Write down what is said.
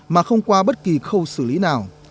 mà không qua bất kỳ khâu xử lý nào